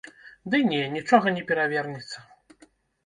Ды не, нічога не перавернецца.